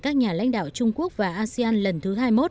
các nhà lãnh đạo trung quốc và asean lần thứ hai mươi một